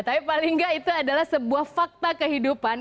tapi paling nggak itu adalah sebuah fakta kehidupan